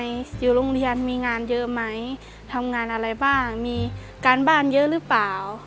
อยู่โรงเรียนมีงานเยอะไหมทำงานอะไรบ้างมีการบ้านเยอะหรือเปล่า